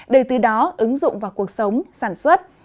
để từ đó ứng dụng vào cuộc sống sản xuất